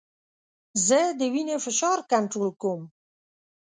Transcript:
زه د وینې فشار کنټرول کوم.